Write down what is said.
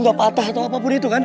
gak patah atau apapun itu kan